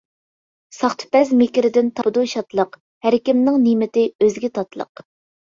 ساختىپەز مىكرىدىن تاپىدۇ شادلىق، ھەركىمنىڭ نېمىتى ئۆزىگە تاتلىق.